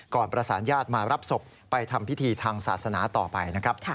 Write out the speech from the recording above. ก่อนประสานญาติมารับศพไปทำพิธีทางศาสนาต่อไป